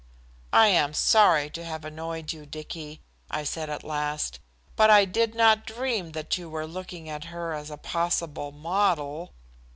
"I am sorry to have annoyed you, Dicky," I said at last. "But I did not dream that you were looking at her as a possible model."